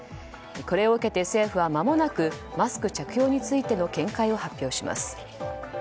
これを受けて政府はまもなくマスク着用についての見解を発表します。